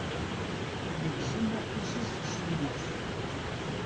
Yegzem afus-is s lmus.